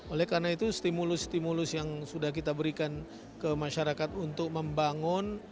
oleh karena itu stimulus stimulus yang sudah kita berikan ke masyarakat untuk membangun